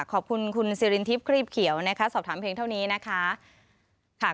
ขอบคุณคุณสิรินทิพย์ครีบเขียวนะคะสอบถามเพียงเท่านี้นะคะ